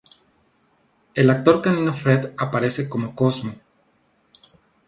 El actor canino Fred aparece como Cosmo.